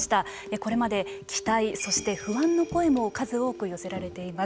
これまで期待そして不安の声も数多く寄せられています。